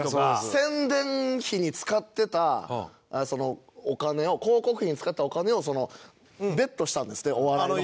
宣伝費に使ってたお金を広告費に使ってたお金をベットしたんですってお笑いの方に。